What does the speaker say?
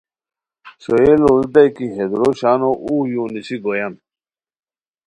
ݰوئیے لوڑیتائے کی ہے دورو شانو اوغ یونیسی گویان